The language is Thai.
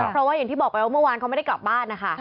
เพราะว่าอย่างที่บอกไปว่าเมื่อวานเขาไม่ได้กลับบ้านนะคะ